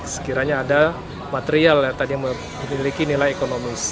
sekiranya ada material yang tadi memiliki nilai ekonomis